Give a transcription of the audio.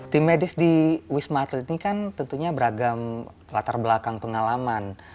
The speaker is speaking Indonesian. tim medis di wisma atlet ini kan tentunya beragam latar belakang pengalaman